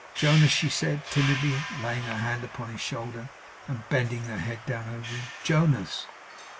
Jonas!' she said; timidly laying her hand upon his shoulder, and bending her head down over him. 'Jonas!